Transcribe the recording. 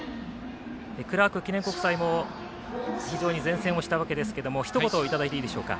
クラーク記念国際も非常に善戦をしたわけですけどもひと言いただいていいでしょうか。